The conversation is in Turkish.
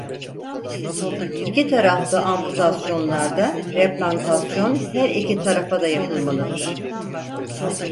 İki taraflı amputasyonlarda replantasyon her iki tarafa da yapılmalıdır.